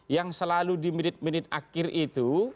yang selalu di menit menit akhir itu